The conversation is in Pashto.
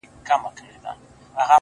د بېوفا لفظونه راوړل،